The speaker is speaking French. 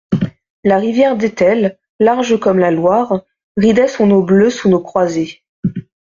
La rivière d'Etel, large comme la Loire, ridait son eau bleue sous nos croisées.